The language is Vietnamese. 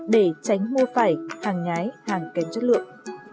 để tránh mua phải hàng nhái hàng kém chất lượng